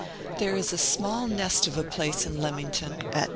There is a small nest of a place in Leamington at No.